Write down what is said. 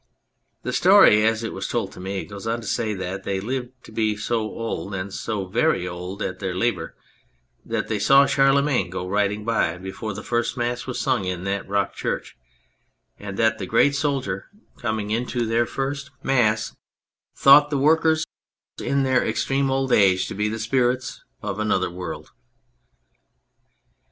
The story as it was told to me goes on to say that they lived to be so old and so very old at their labour that they saw Charlemagne go riding by before the first Mass was sung in that rock church ; and that that great soldier, coming in to their first 81 G On Anything Mass, thought the workers in their extreme old age to be the spirits of another world.